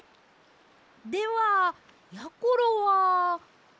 ではやころは。